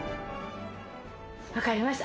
わかりました。